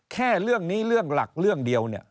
แค่เรื่องนี้เรื่องหลักเรื่องเดียวเนี่ย